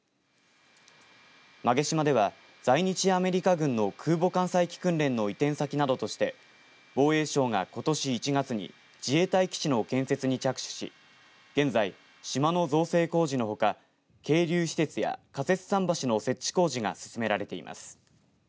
馬毛島では在日アメリカ軍の空母艦載機訓練の移転先などとして防衛省がことし１月に自衛隊基地の建設に着手し現在、島の造成工事のほか係留施設や仮設桟橋の設置工事が進められています。